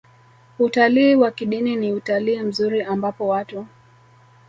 Utalii wa kidini ni utalii mzuri ambapo watu